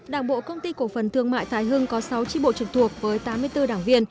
đảng bộ công ty cổ phần thương mại thái hưng có sáu tri bộ trực thuộc với tám mươi bốn đảng viên